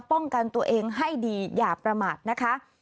ป้องกันตัวเองให้ดีอย่าประมาทนะคะ